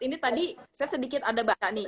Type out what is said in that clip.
ini tadi saya sedikit ada baka nih